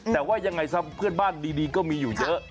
แต่ว่ายังไงซะเพื่อนบ้านดีก็มีอยู่เยอะ